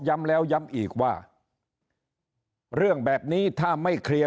แล้วย้ำอีกว่าเรื่องแบบนี้ถ้าไม่เคลียร์